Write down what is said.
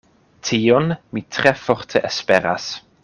Tion mi tre forte esperas.